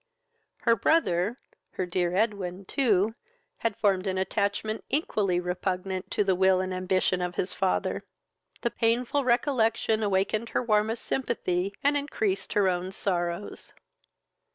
Her brother, her dear Edwin, too, had formed an attachment equally repugnant to the will and ambition of his father. The painful recollection awakened her warmest sympathy, and increased her own sorrows.